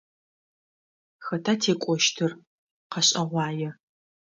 Хэта текӏощтыр? Къэшӏэгъуае.